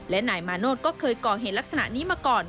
และนายมาโนธก็เคยก่อเหตุลักษณะนี้มาก่อน